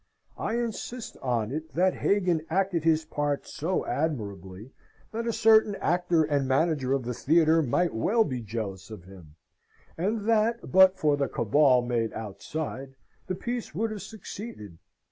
I insist on it that Hagan acted his part so admirably that a certain actor and manager of the theatre might well be jealous of him; and that, but for the cabal made outside, the piece would have succeeded.